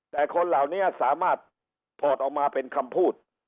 แต่คนเหล่านี้สามารถถอดออกมาเป็นคำพูด